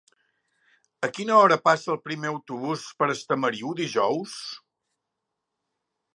A quina hora passa el primer autobús per Estamariu dijous?